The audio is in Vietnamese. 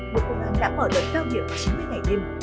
bộ công an đã mở đợi cao hiệu chín mươi ngày đêm